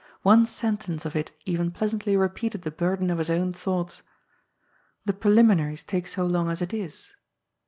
One sentence of it even pleasantly repeated the burden of his own thoughts. ^^ The preliminaries take so long as it is."